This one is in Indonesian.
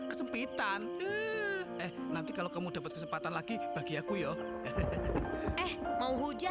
hehehe cantik juga ya anaknya